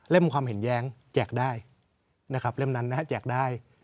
เล่มความเห็นแย้งแจกได้เล่มนั้นแจกได้